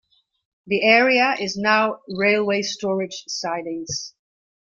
The area is now railway storage sidings.